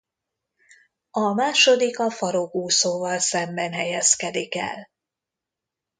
A második a farokúszóval szemben helyezkedik el.